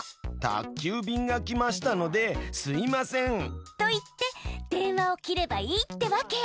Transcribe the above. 「宅急便が来ましたのですいません」。と言って電話を切ればいいってわけ。